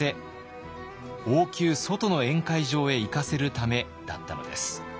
王宮外の宴会場へ行かせるためだったのです。